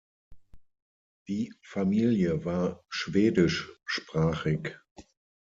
Die Familie war schwedischsprachig.